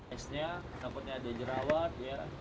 next nya takutnya ada jerawat